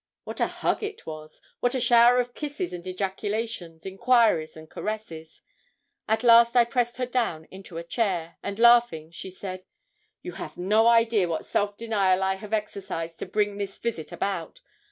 What a hug it was; what a shower of kisses and ejaculations, enquiries and caresses! At last I pressed her down into a chair, and, laughing, she said 'You have no idea what self denial I have exercised to bring this visit about.